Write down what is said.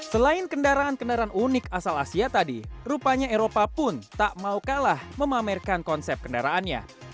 selain kendaraan kendaraan unik asal asia tadi rupanya eropa pun tak mau kalah memamerkan konsep kendaraannya